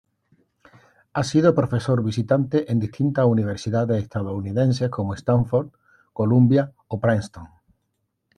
Ha sido profesor visitante en distintas universidades estadounidenses como Stanford, Columbia o Princeton.